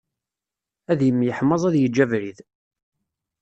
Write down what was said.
Ad imyeḥmaẓ ad yeǧǧ abrid.